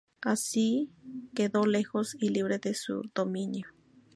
Así quedó lejos y libre de su dominio.